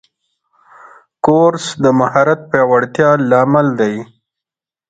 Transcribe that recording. کورس د مهارت پیاوړتیا لامل دی.